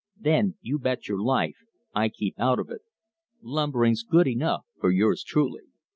Then, you bet your life, I keep out of it. Lumbering's good enough for yours truly.